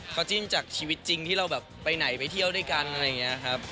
เขาจิ้นจากชีวิตจริงที่เราแบบไปไหนไปเที่ยวด้วยกันอะไรอย่างนี้ครับ